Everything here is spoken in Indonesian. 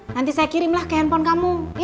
nanti saya kirim lah ke handphone kamu